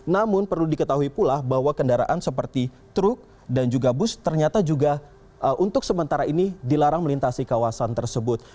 namun perlu diketahui pula bahwa kendaraan seperti truk dan juga bus ternyata juga untuk sementara ini dilarang melintasi kawasan tersebut